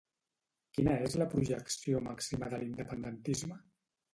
Quina és la projecció màxima de l'independentisme?